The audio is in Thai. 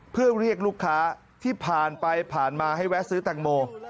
เพื่อเรียกลูกค้าที่ผ่านไปผ่านมาให้แวะซื้อแตงโม